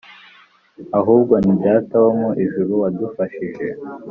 ahubwo ni Data wo mu ijuru wadufashije